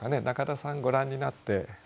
中田さんご覧になって。